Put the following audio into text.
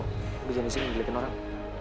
tapi jangan disini ngeliatin orang